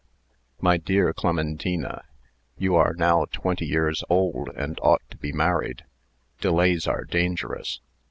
"My dear Clementina, you are now twenty years old, and ought to be married. Delays are dangerous.